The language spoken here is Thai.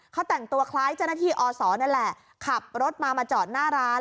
เขาแต่งตัวคล้ายเจ้าหน้าที่อศนี่แหละขับรถมามาจอดหน้าร้าน